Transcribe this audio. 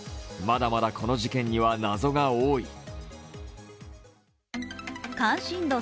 まだまだ、この事件には謎が多い。